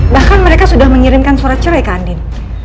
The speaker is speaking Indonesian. bahkan mereka sudah mengirimkan surat cerai ke andin